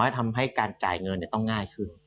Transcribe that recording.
ทำให้การจ่ายเงินต้องง่ายขึ้น